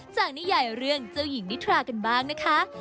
นิยายเรื่องเจ้าหญิงนิทรากันบ้างนะคะ